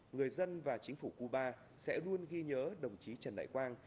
người dân và chính phủ cuba sẽ luôn ghi nhớ đồng chí trần đại quang